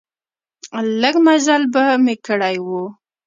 لږ مزل به مې کړی و.